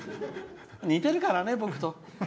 似てるからね、僕と。